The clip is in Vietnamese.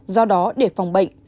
do đó để phòng bệnh